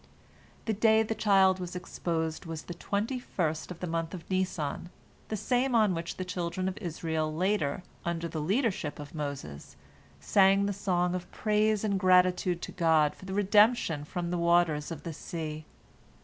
The day the child was exposed was the twenty first of the month of Nisan, the same on which the children of Israel later, under the leadership of Moses, sang the song of praise and gratitude to God for the redemption from the waters of the sea.